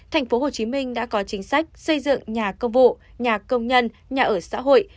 tp hcm đã có chính sách xây dựng nhà công vụ nhà công nhân nhà ở xã hội